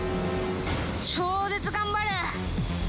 超絶頑張る。